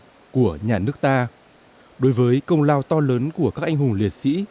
đây là dấu ấn lịch sử ghi dấu sự ra đời của nhà nước ta đối với công lao to lớn của các anh hùng liệt sĩ